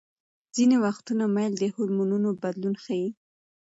ځینې وختونه میل د هورمونونو بدلون ښيي.